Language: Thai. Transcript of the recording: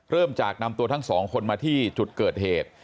เริ่มจากนำตัวทั้งสองคนมาที่จุดเกิดเหตุ